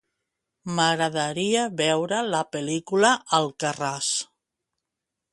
M'agradaria veure la pel·lícula "Alcarràs".